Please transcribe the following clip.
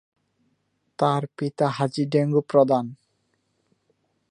তার পিতা হাজী ডেঙ্গু প্রধান।